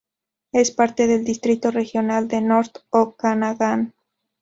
Es parte del Distrito Regional de North Okanagan.